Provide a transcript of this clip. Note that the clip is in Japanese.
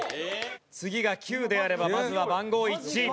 次が９であればまずは番号一致。